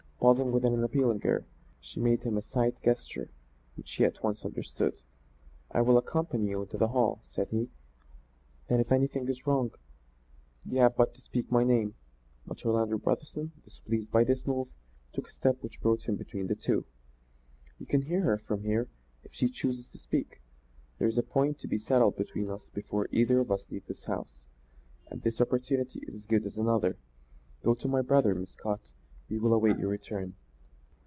Pausing with an appealing air, she made him a slight gesture which he at once understood. "I will accompany you into the hall," said he. "Then if anything is wrong, you have but to speak my name." But Orlando Brotherson, displeased by this move, took a step which brought him between the two. "You can hear her from here if she chooses to speak. There's a point to be settled between us before either of us leaves this house, and this opportunity is as good as another. Go to my brother, Miss Scott; we will await your return."